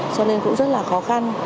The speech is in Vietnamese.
cho nên cũng rất là khó khăn